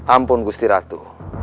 ampun gusti ratu